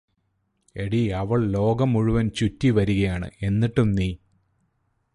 എടീ അവൾ ലോകം മുഴുവനും ചുറ്റിവരുകയാണ് എന്നിട്ടും നീ